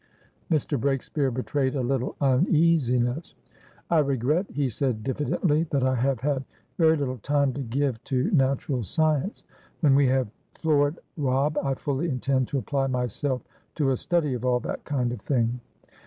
Mr. Breakspeare betrayed a little uneasiness. "I regret," he said diffidently, "that I have had very little time to give to natural science. When we have floored Robb, I fully intend to apply myself to a study of all that kind of thing."